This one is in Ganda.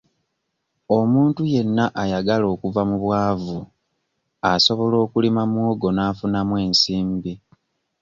Omuntu yenna ayagala okuva mu bwavu asobola okulima muwogo n'afunamu ensimbi.